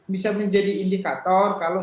bisa menjadi indikator kalau